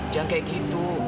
jangan kayak gitu